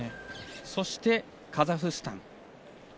そして、カザフスタン。